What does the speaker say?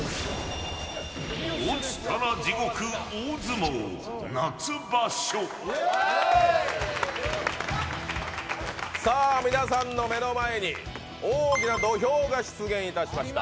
落ちたら地獄大相撲夏場所皆さんの目の前に大きな土俵が出現いたしました。